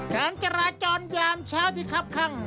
การจราจรยามเช้าที่คับข้าง